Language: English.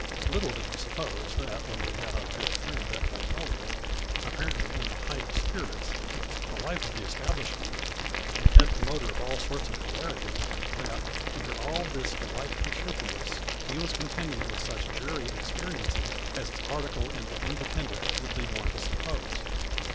Little did we suppose when we met our good friend at Magnolia, apparently in the height of spirits, the life of the establishment, and head promoter of all sorts of hilarity, that, under all this delightful cheerfulness, he was contending with such dreary experiences as his article in "The Independent" would lead one to suppose.